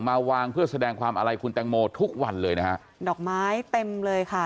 มาวางเพื่อแสดงความอาลัยคุณแตงโมทุกวันเลยนะฮะดอกไม้เต็มเลยค่ะ